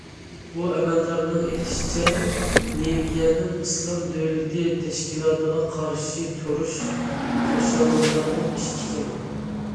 بۇ ئەمەلدارنىڭ ئېيتىشىچە، لىۋىيەنىڭ« ئىسلام دۆلىتى» تەشكىلاتىغا قارشى تۇرۇشى خۇشاللىنارلىق ئىش ئىكەن.